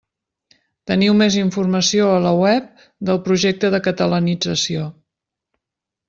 Teniu més informació a la web del projecte de catalanització.